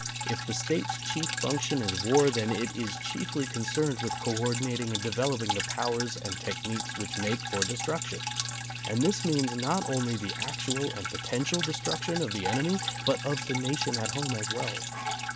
If the State's chief function is war, then it is chiefly concerned with coordinating and developing the powers and techniques which make for destruction. And this means not only the actual and potential destruction of the enemy, but of the nation at home as well.